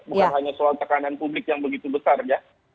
bukan hanya soal tekanan publik yang begitu besar ya